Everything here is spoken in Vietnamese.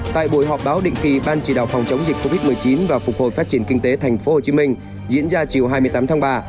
tại buổi họp báo định kỳ ban chỉ đạo phòng chống dịch covid một mươi chín và phục hồi phát triển kinh tế tp hcm diễn ra chiều hai mươi tám tháng ba